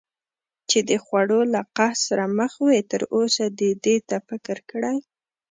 چې د خوړو له قحط سره مخ وي، تراوسه دې دې ته فکر کړی؟